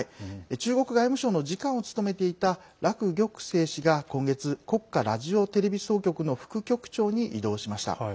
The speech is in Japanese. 中国外務省の次官を務めていた楽玉成氏が今月国家ラジオテレビ総局の副局長に異動しました。